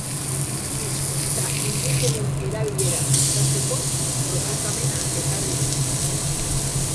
Hizkuntza indigenen erabilera sustatzeko proposamena ekarri dute.